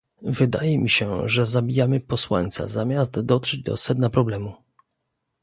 Wydaje mi się, że zabijamy posłańca zamiast dotrzeć do sedna problemu